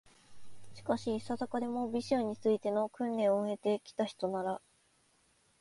しかし、いささかでも、美醜に就いての訓練を経て来たひとなら、